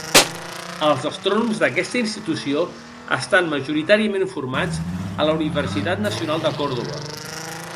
Els astrònoms d'aquesta institució estan majoritàriament formats a la Universitat Nacional de Córdoba.